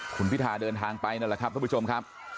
คุณพิธาเดินทางไปนั่นแหละครับทุกผู้ชมครับ